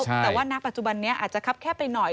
แต่ว่าณปัจจุบันนี้อาจจะคับแคบไปหน่อย